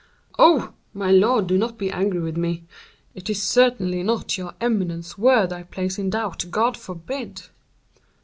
"Oh! my lord, do not be angry with me! It is certainly not your eminence's word I place in doubt, God forbid!"